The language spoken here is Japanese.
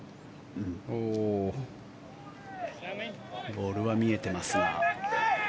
ボールは見えてますが。